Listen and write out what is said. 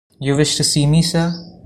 You wished to see me, sir?